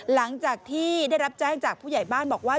หลังจากที่ได้รับแจ้งจากผู้ใหญ่บ้านบอกว่า